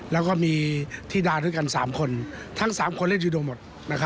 แล้วก็มีธิดาด้วยกัน๓คนทั้ง๓คนเล่นยูโดหมด